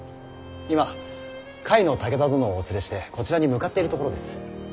今甲斐の武田殿をお連れしてこちらに向かっているところです。